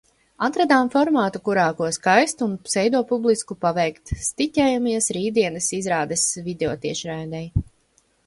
Atradām formātu, kurā ko skaistu un pseidopublisku paveikt – stiķējamies rītdienas izrādes videotiešraidei.